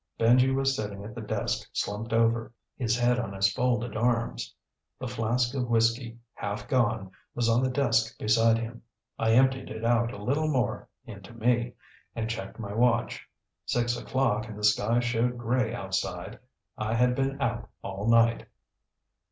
Benji was sitting at the desk slumped over, his head on his folded arms. The flask of whiskey, half gone, was on the desk beside him. I emptied it out a little more, into me, and checked my watch. Six o'clock and the sky showed gray outside. I had been out all night.